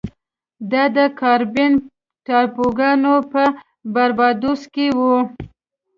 دا د کارابین ټاپوګانو په باربادوس کې و.